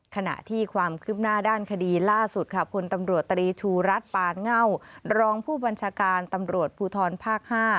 ขณะที่ความคืบหน้าด้านคดีล่าสุดค่ะพลตำรวจตรีชูรัฐปานเง่ารองผู้บัญชาการตำรวจภูทรภาค๕